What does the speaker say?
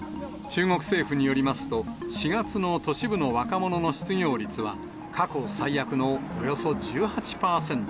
中国政府によりますと、４月の都市部の若者の失業率は、過去最悪のおよそ１８％。